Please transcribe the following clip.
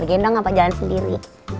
lagi dong apa jalan sendiri